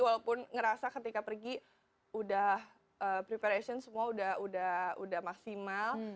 walaupun ngerasa ketika pergi udah preparation semua udah maksimal